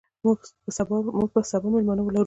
موږ به سبا مېلمانه ولرو.